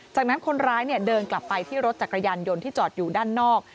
จากนั้นคนร้ายเดินกลับไปที่รถจักรยานยนต์ที่จอดอยู่ด้านนอก